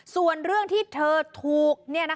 ส่วนเรื่องที่เธอถูกเนี่ยนะคะ